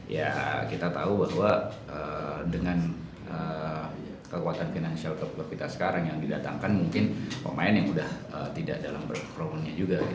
ya kita tahu bahwa dengan kekuatan finansial klub kita sekarang yang didatangkan mungkin pemain yang udah tidak dalam berkerumunnya juga